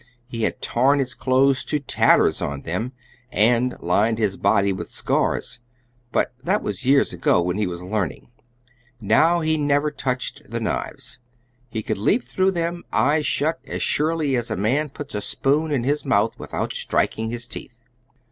He had torn his clothes to tatters on them, and lined his body with scars. But that was years ago, when he was learning. Now he never touched the knives. He could leap through them, eyes shut, as surely as a man puts a spoon in his mouth without striking his teeth.